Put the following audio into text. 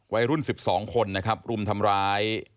วัยรุ่น๑๒คนนะครับรุมทำร้าย